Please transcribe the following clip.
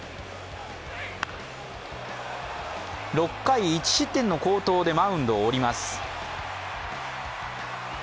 ６回１失点の好投でマウンドを降ります。